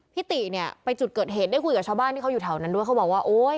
ติเนี่ยไปจุดเกิดเหตุได้คุยกับชาวบ้านที่เขาอยู่แถวนั้นด้วยเขาบอกว่าโอ้ย